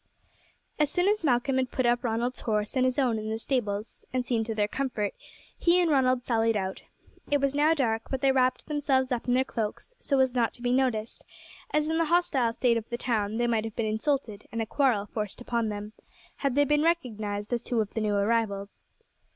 As soon as Malcolm had put up Ronald's horse and his own in the stables, and seen to their comfort, he and Ronald sallied out. It was now dark, but they wrapped themselves up in their cloaks so as not to be noticed, as in the hostile state of the town they might have been insulted and a quarrel forced upon them, had they been recognized as two of the new arrivals.